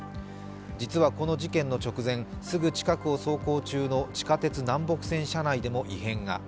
実はこの事件の直前すぐ近くを走行中の地下鉄・南北線社内でも異変が。